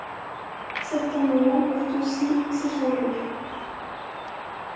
Certains moments peuvent aussi s'échanger.